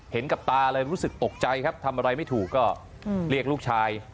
กับตาเลยรู้สึกตกใจครับทำอะไรไม่ถูกก็เรียกลูกชาย